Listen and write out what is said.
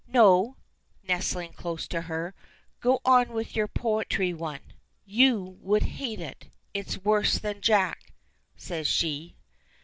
"No," nestling closer to her. "Go on with your poetry one!" "You would hate it. It is worse than 'Jack,'" says she.